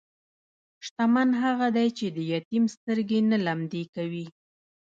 شتمن هغه دی چې د یتیم سترګې نه لمدې کوي.